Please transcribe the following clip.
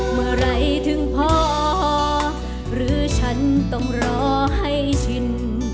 เมื่อไหร่ถึงพอหรือฉันต้องรอให้ชิน